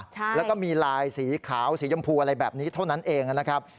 แล้วก็มีลายสีขาวสียำพูอะไรแบบนี้เท่านั้นเองนะครับ